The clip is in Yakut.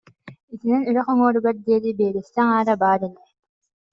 Итинэн үрэх уҥуоругар диэри биэрэстэ аҥаара баар ини